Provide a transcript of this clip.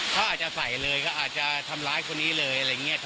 เขาอาจจะใส่เลยเขาอาจจะทำร้ายคนนี้เลยอะไรอย่างนี้